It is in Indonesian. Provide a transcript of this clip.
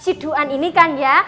siduan ini kan ya